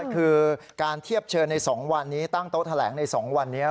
คือการเทียบเชิญใน๒วันนี้ตั้งโต๊ะแถลงใน๒วันนี้